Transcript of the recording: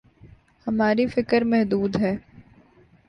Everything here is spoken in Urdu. ہماری فکر محدود ہے۔